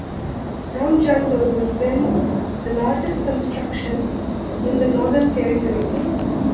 Rum Jungle was then the largest construction in the Northern Territory.